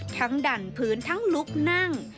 ดั่นพื้นทั้งลุกนั่ง